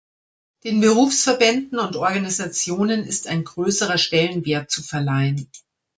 Den Berufsverbänden und -organisationen ist ein größerer Stellenwert zu verleihen.